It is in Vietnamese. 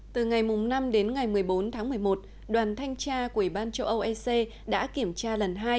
từ ngày năm đến ngày một mươi bốn tháng một mươi một đoàn thanh tra của ủy ban châu âu ec đã kiểm tra lần hai